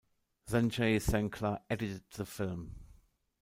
Sanjay Sankla edited the film.